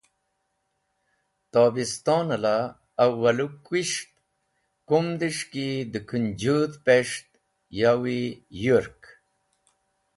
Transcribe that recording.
Tobiston la, awalũ kis̃ht kumdes̃h ki dẽ Kũnjũdh pes̃ht, yowi yũrk.